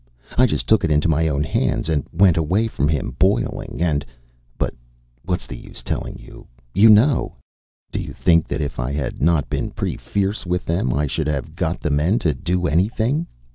I just took it into my own hands and went away from him, boiling, and But what's the use telling you? You know!... Do you think that if I had not been pretty fierce with them I should have got the men to do anything?